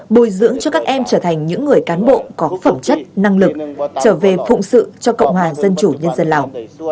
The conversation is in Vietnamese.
bồi dưỡng cho các em trở thành những người cán bộ có phẩm chất năng lực trở về phụng sự cho cộng hòa dân chủ nhân dân lào